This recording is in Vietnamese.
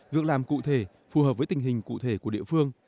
việc làm cụ thể phù hợp với tình hình cụ thể của địa phương